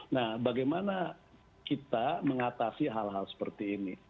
nah bagaimana kita mengatasi hal hal seperti ini